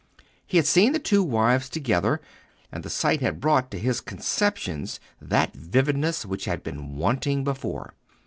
He had seen the two wives together, and the sight had brought to his conceptions that vividness which had been wanting before.